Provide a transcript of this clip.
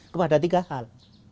kepada tiga hal